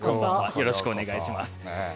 よろしくお願いします。